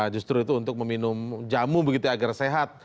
justru itu untuk meminum jamu begitu agar sehat